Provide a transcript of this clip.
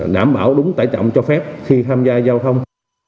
đảm bảo đúng tải trọng cho phép khi tham gia giao thông